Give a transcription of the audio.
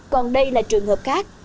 còn đây là trường hợp khác